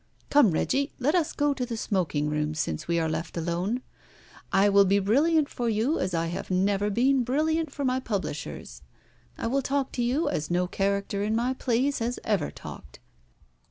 Come, Reggie, let us go to the smoking room, since we are left alone. I will be brilliant for you as I have never been brilliant for my publishers. I will talk to you as no character in my plays has ever talked.